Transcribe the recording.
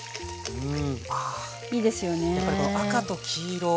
うん。